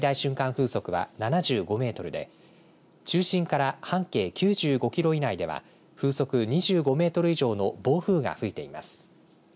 風速は７５メートルで中心から半径９５キロ以内では風速２５メートル以上の暴風が吹いています。